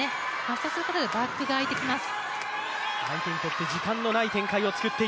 そうすることで、バックが空いてきます。